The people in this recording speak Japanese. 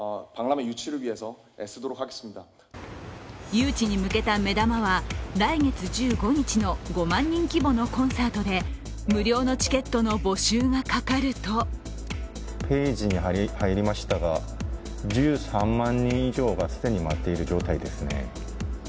誘致に向けた目玉は来月１５日の５万人規模のコンサートで無料のチケットの募集がかかるとホームページに入りましたが、１３万人以上が既に待っている状態ですね。